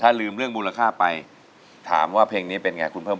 ถ้าลืมเรื่องมูลค่าไปถามว่าเพลงนี้เป็นยากูภูมิ